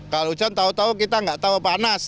kalau hujan tahu tahu kita nggak tahu panas